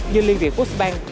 như liên viện fuxbank